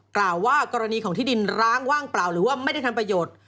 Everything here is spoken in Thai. กล่าวว่ากรณีของที่ดินร้างว่างเปล่าหรือว่าไม่ได้ทำประโยชน์